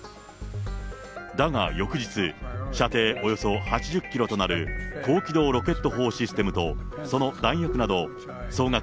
だが翌日、射程およそ８０キロとなる高機動ロケット砲システムと、その弾薬など総額